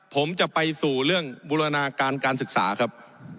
ผมจะไปสู่เรื่องบูรณาการการศึกษาครับ